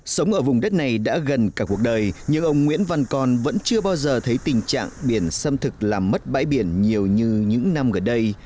sống ở vùng đất này đã gần cả cuộc đời nhưng ông nguyễn văn con vẫn chưa bao giờ thấy tình trạng biển xâm thực làm mất bãi biển nhiều như những năm gần đây